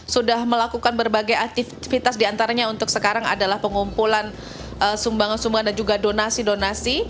sudah melakukan berbagai aktivitas diantaranya untuk sekarang adalah pengumpulan sumbangan sumbangan dan juga donasi donasi